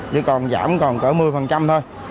chỉ còn giảm còn cỡ một mươi thôi